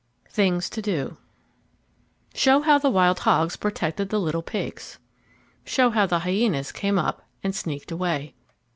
THINGS TO DO Show how the wild hogs protected the little pigs. _Show how the hyenas came up and sneaked away.